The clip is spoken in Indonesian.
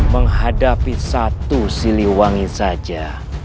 menghadapi satu siliwangi saja